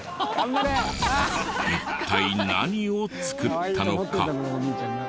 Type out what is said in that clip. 一体何を作ったのか？